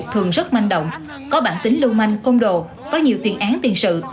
thường rất manh động có bản tính lưu manh côn đồ có nhiều tiền án tiền sự